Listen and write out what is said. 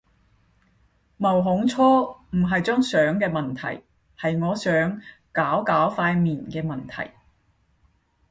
毛孔粗唔係張相嘅問題，係我想搞搞塊面嘅問題